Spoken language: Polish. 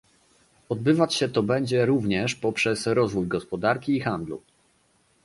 Odbywać się to będzie również poprzez rozwój gospodarki i handlu